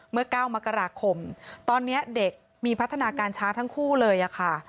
เมื่อ๙มกราคมตอนนี้เด็กมีพัฒนาการช้าทั้งคู่เลยค่ะ